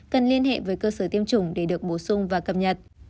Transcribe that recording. cần liên hệ với cơ sở tiêm chủng để được bổ sung và cập nhật